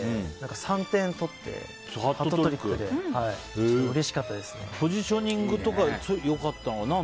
３点取って、ハットトリックでポジショニングとかが良かったのかな。